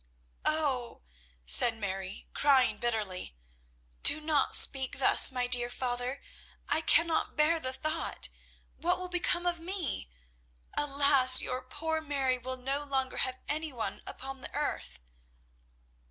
"Oh," said Mary, crying bitterly, "do not speak thus, my dear father. I cannot bear the thought. What will become of me? Alas, your poor Mary will no longer have any one upon the earth!"